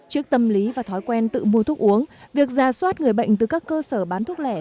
trước tâm lý và thói quen tự mua thuốc uống việc ra soát người bệnh từ các cơ sở bán thuốc lẻ